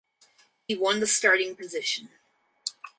He won the starting position.